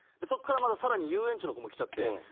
そっからさらに遊園地の子も来ちゃって。